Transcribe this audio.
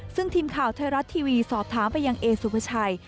ซึ่งทีมข่าวไทยรัฐทีวีสอบถามไปยังเอสุภาชัย